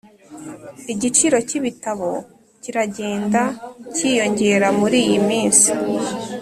igiciro cyibitabo kiragenda cyiyongera muriyi minsi